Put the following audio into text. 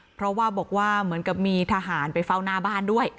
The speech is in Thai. เพราะว่าบอกว่าเหมือนกับมีทหารไปเฝ้าหน้าบ้านด้วย